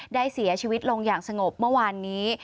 ได้เสียชีวิตลงอย่างสงบเมื่อวานนี้